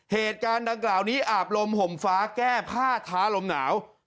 เหตุการณ์ดังกล่าวนี้อาบลมห่มฟ้าแก้ผ้าท้าลมหนาว